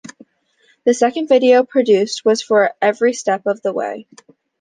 The second video produced was for "Every Step of the Way".